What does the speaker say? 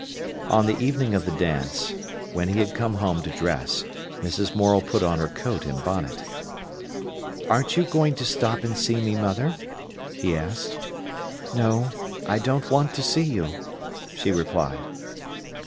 On the evening of the dance, when he had come home to dress, Mrs. Morel put on her coat and bonnet. "Aren't you going to stop and see me, mother?" he asked. "No; I don't want to see you," she replied.